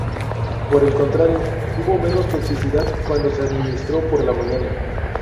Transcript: Por el contrario, hubo menos toxicidad cuando se administró por la mañana.